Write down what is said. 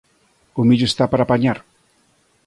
O millo está para pañar.